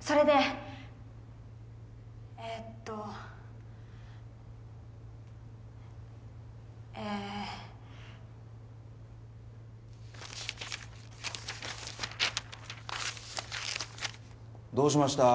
それでえとええどうしました？